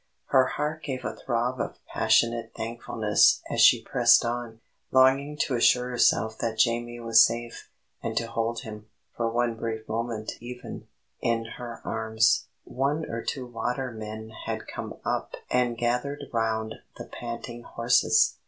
Her heart gave a throb of passionate thankfulness as she pressed on, longing to assure herself that Jamie was safe, and to hold him, for one brief moment even, in her arms. One or two watermen had come up and gathered round the panting horses.